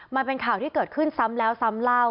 มันเป็นข่าวที่เกิดขึ้นซ้ำแล้วซ้ำเล่า